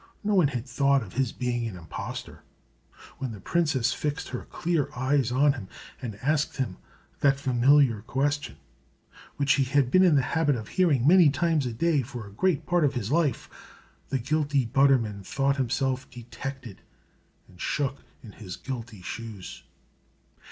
No one had thought of his being an impostor; but when the princess fixed her clear eyes on him and asked him that familiar question, which he had been in the habit of hearing many times a day for a great part of his life, the guilty butterman thought himself detected, and shook in his guilty shoes.